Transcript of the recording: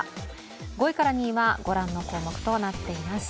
５位から２位はご覧の項目となっています。